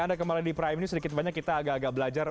anda kembali di prime news sedikit banyak kita agak agak belajar